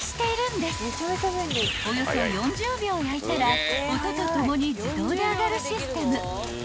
［およそ４０秒焼いたら音とともに自動で上がるシステム］